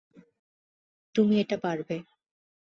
তুমি এটা পারবে।